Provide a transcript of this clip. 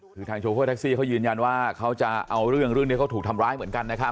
คือทางโชเฟอร์แท็กซี่เขายืนยันว่าเขาจะเอาเรื่องเรื่องนี้เขาถูกทำร้ายเหมือนกันนะครับ